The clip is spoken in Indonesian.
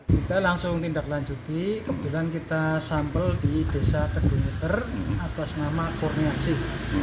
kita langsung tindak lanjuti kebetulan kita sampel di desa kedunguter atas nama kurniasih